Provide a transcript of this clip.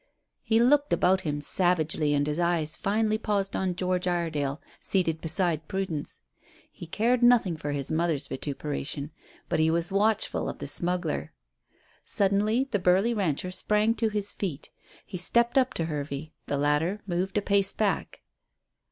He looked about him savagely, and his eyes finally paused at George Iredale, seated beside Prudence. He cared nothing for his mother's vituperation, but he was watchful of the smuggler. Suddenly the burly rancher sprang to his feet. He stepped up to Hervey. The latter moved a pace back.